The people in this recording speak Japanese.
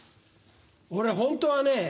俺ホントはね